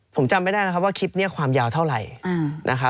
ผมจำไม่ได้นะครับว่าคลิปนี้ความยาวเท่าไหร่